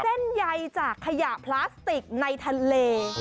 เส้นใยจากขยะพลาสติกในทะเล